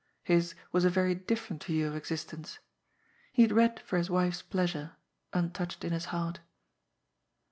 His was a very different view of existence. He had read for his wife's pleasure, untouched in his heart.